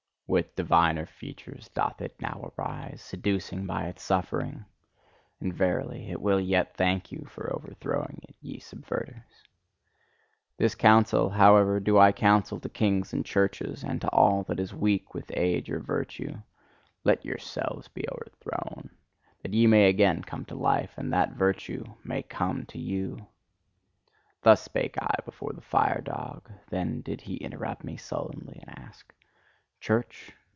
With diviner features doth it now arise, seducing by its suffering; and verily! it will yet thank you for o'erthrowing it, ye subverters! This counsel, however, do I counsel to kings and churches, and to all that is weak with age or virtue let yourselves be o'erthrown! That ye may again come to life, and that virtue may come to you! " Thus spake I before the fire dog: then did he interrupt me sullenly, and asked: "Church?